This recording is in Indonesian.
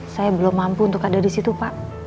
saya belum mampu untuk ada disitu pak